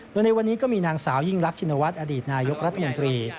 โดยในวันนี้ก็มีนางสาวยิ่งรักชินวัฒน์อดีตนายกรัฐมนตรี